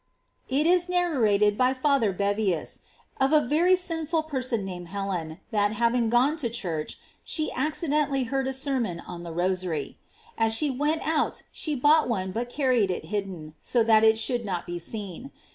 It is narrated by Father Bevms,* of a very sinful person named Helen, that having gone to church, she accidentally heard a sermon on the rosary. As she went out she bought one but carried it hidden, so that it should not be seen.